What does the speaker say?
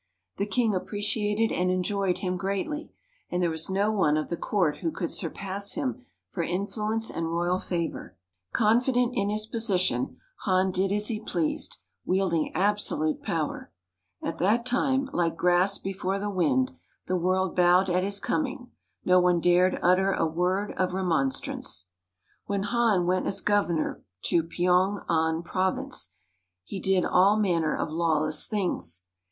The King appreciated and enjoyed him greatly, and there was no one of the Court who could surpass him for influence and royal favour. Confident in his position, Han did as he pleased, wielding absolute power. At that time, like grass before the wind, the world bowed at his coming; no one dared utter a word of remonstrance. When Han went as governor to Pyong an Province he did all manner of lawless things.